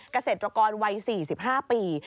เกษตรกรวัย๔๕ปี